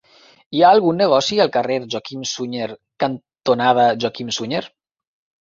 Hi ha algun negoci al carrer Joaquim Sunyer cantonada Joaquim Sunyer?